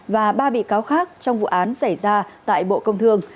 và ba bị cáo khác trong vụ án xảy ra tại bộ công thương